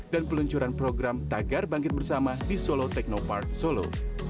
dan peluncuran program tagar bangkit bersama di solo technopark solo